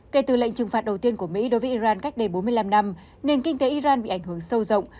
kể từ lệnh trừng phạt đầu tiên của mỹ đối với iran cách đây bốn mươi năm năm nền kinh tế iran bị ảnh hưởng sâu rộng